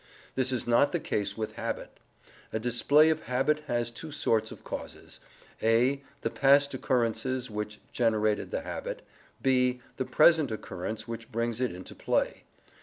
This is not the case with habit. A display of habit has two sorts of causes: (a) the past occurrences which generated the habit, (b) the present occurrence which brings it into play.